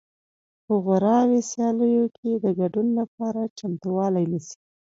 په غوراوي سیالیو کې د ګډون لپاره چمتووالی نیسي